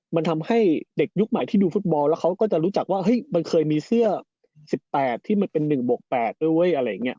มันทำให้เด็กยุคใหม่ที่ดูฟุตบอลแล้วเขาก็จะรู้จักว่าเฮ้ยมันเคยมีเสื้อ๑๘ที่มันเป็น๑บวก๘เว้ยอะไรอย่างนี้